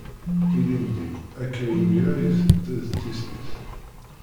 Ilindi, akka imir-a i d-tedda d tislit.